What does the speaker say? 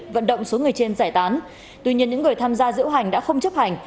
vận động số người trên giải tán tuy nhiên những người tham gia diễu hành đã không chấp hành